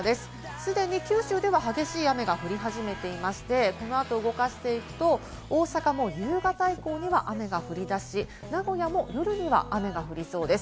既に九州では激しい雨が降り始めていまして、このあと動かしていくと、大阪も夕方以降には雨が降り出し、名古屋も夜には雨が降りそうです。